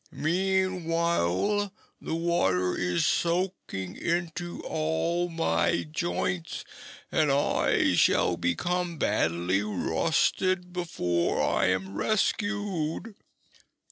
Meantime, the water is soaking into all my joints and I shall become badly rusted before I am rescued."